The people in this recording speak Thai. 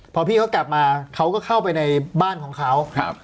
พอพี่เขากลับมาเขาก็เข้าไปในบ้านของเขาครับ